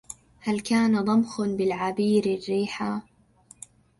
هل كان ضمخ بالعبير الريحا